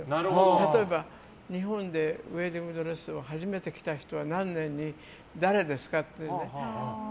例えば、日本でウェディングドレスを初めて着たのは何年に誰ですかって。